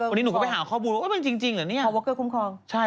วันนี้หนูก็ไปรู้ว่าครมพุระเห็นจริงเหรอเนี่ย